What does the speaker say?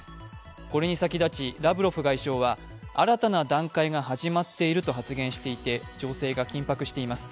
これに先立ちラブロフ外相は新たな段階が始まっていると発言していて情勢が緊迫しています。